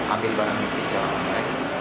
ambil barang bukti secara online